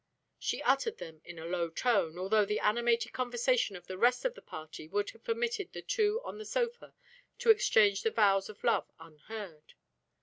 She uttered them in a low tone, although the animated conversation of the rest of the party would have permitted the two on the sofa to exchange the vows of love unheard.